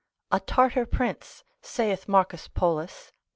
A Tartar prince, saith Marcus Polus, lib.